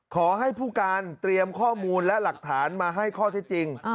ขอให้ผู้การเตรียมข้อมูลและหลักฐานมาให้ข้อเท็จจริง